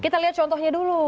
kita lihat contohnya dulu